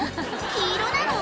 黄色なの？